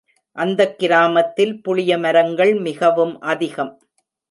அந்தக் கிராமத்தில் புளிய மரங்கள் மிகவும் அதிகம்.